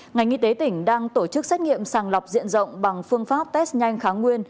ngành y tế tỉnh đang tổ chức xét nghiệm sàng lọc diện rộng bằng phương pháp test nhanh kháng nguyên